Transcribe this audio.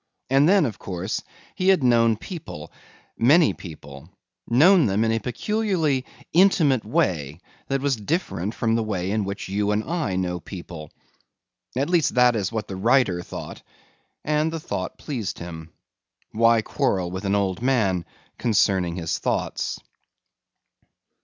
And then, of course, he had known people, many people, known them in a peculiarly intimate way that was different from the way in which you and I know people. At least that is what the writer thought and the thought pleased him. Why quarrel with an old man concerning his thoughts?